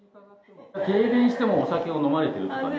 停電してもお酒を飲まれてる？